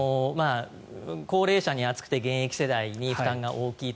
高齢者に厚くて現役世代に負担が大きいと。